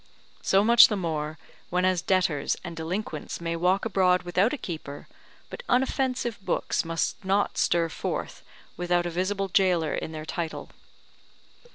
So much the more, whenas debtors and delinquents may walk abroad without a keeper, but unoffensive books must not stir forth without a visible jailer in their title.